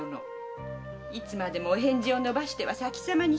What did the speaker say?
いつまでもお返事を延ばしては先様に失礼です。